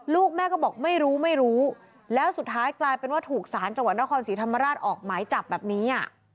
ลูกแม่ก็บอกไม่รู้ไม่รู้แล้วสุดท้ายกลายเป็นว่าถูกสารจังหวัดนครศรีธรรมราชออกหมายจับแบบนี้